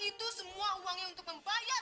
itu semua uangnya untuk membayar